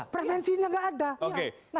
preventifnya tidak ada